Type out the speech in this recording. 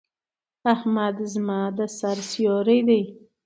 احمد زما د سر سيور دی.